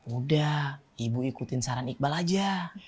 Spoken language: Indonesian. udah ibu ikutin saran iqbal aja